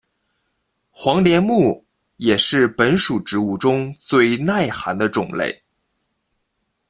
黄连木也是本属植物中最耐寒的种类。